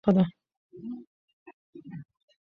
رسوب د افغانستان د فرهنګي فستیوالونو یوه مهمه برخه ده.